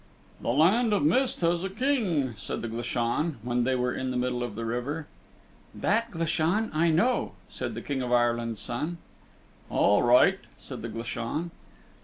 "The Land of Mist has a King," said the Glashan, when they were in the middle of the river. "That, Glashan, I know," said the King of Ireland's Son. "All right," said the Glashan.